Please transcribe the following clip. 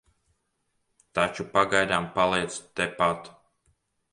Taču pagaidām paliec tepat.